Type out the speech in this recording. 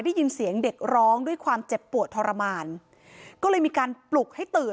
ได้ยินเสียงเด็กร้องด้วยความเจ็บปวดทรมานก็เลยมีการปลุกให้ตื่น